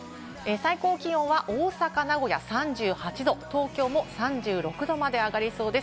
最高気温は大阪と名古屋は３８度、東京も３６度まで上がりそうです。